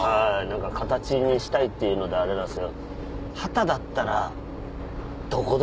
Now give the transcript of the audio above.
何か形にしたいっていうのであれなんですけど。